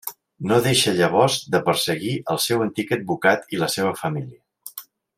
No deixa llavors de perseguir el seu antic advocat i la seva família.